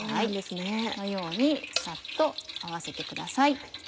このようにさっと合わせてください。